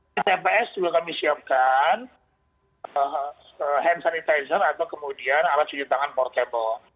di tps juga kami siapkan hand sanitizer atau kemudian alat cuci tangan portable